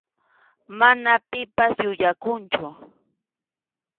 Mana pipas yuyakunchu.